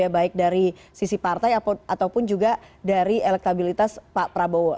baik dari sisi partai ataupun juga dari elektabilitas pak prabowo